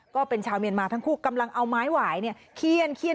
ก็เป็นชาวเมียนมาทั้งคู่กำลังเอาไม้หวายเขี้ยน